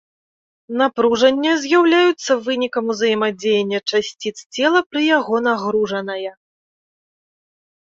Напружання з'яўляюцца вынікам ўзаемадзеяння часціц цела пры яго нагружаная.